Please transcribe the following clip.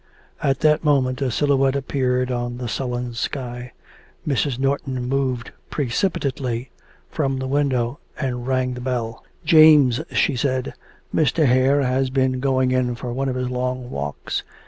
At that moment a silhouette appeared on the sullen sky. Mrs. Norton moved precipitately from the window, and rang the bell. 'James,' she said, 'Mr. Hare has been going in for one of his long walks.